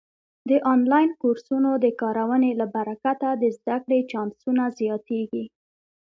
د آنلاین کورسونو د کارونې له برکته د زده کړې چانسونه زیاتېږي.